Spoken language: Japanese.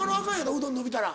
うどんのびたら。